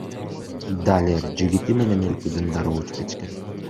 Далер жигити менен өлкөдөн дароо учуп кетишкен.